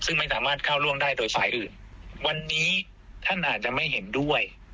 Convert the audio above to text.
ซึ่งไม่สามารถก้าวล่วงได้โดยฝ่ายอื่นวันนี้ท่านอาจจะไม่เห็นด้วย